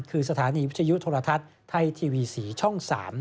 คือสถานีวิทยุโทรทัศน์ไทยทีวี๔ช่อง๓